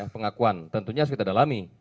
pengakuan tentunya sefital alami